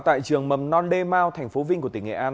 tại trường mầm non demao thành phố vinh của tỉnh nghệ an